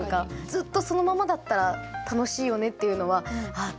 ずっとそのままだったら楽しいよねっていうのはああ